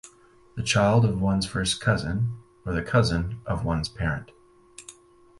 The child of one's first cousin or the cousin of one's parent.